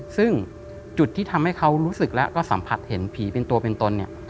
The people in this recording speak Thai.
ซึ่งจุดที่ทำให้เขารู้สึกแล้วก็สัมผัสเห็นผีเป็นตัวเป็นตนเนี่ย